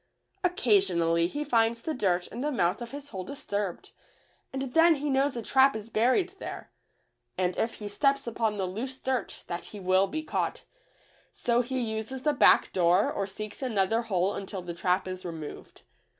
Occasionally he finds the dirt in the mouth of his hole disturbed, and then he knows a trap is buried there, and if he steps upon the loose dirt that he will be caught, so he uses the back door or seeks another hole until the trap is removed.